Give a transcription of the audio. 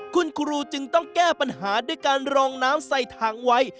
คุณครูจึงต้องแก้ปัญหาด้วยการรองน้ำใส่ถังไว้